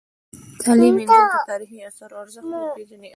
تعلیم نجونو ته د تاریخي اثارو ارزښت ور پېژني.